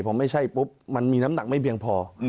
พอไม่ใช่ปุ๊บมันมีน้ำหนักไม่เพียงพอ